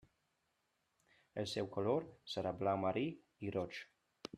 El seu color serà blau marí i roig.